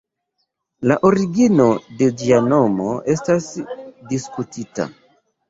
La origino de ĝia nomo estas diskutita.